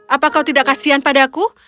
apa kau tidak kasian padaku